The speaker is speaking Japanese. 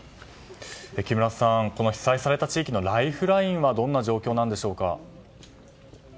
木村さん、被災された地域のライフラインはどんな状況なんでしょうか。